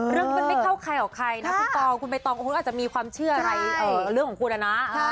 เรื่องนี้มันไม่เข้าใครออกใครนะคุณตองคุณใบตองคุณอาจจะมีความเชื่ออะไรเรื่องของคุณนะ